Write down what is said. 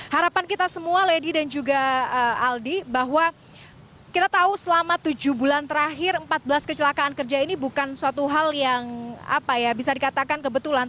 harapan kita semua lady dan juga aldi bahwa kita tahu selama tujuh bulan terakhir empat belas kecelakaan kerja ini bukan suatu hal yang bisa dikatakan kebetulan